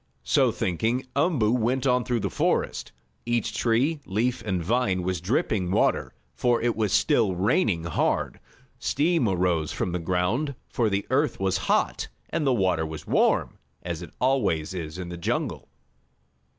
So thinking, Umboo went on through the forest. Each tree, leaf and vine was dripping water, for it was still raining hard. Steam arose from the ground, for the earth was hot and the water was warm, as it always is in the jungle.